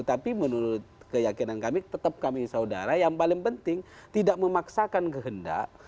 tapi menurut keyakinan kami tetap kami saudara yang paling penting tidak memaksakan kehendak